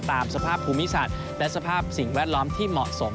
ตามสภาพภูมิศาสตร์และสภาพสิ่งแวดล้อมที่เหมาะสม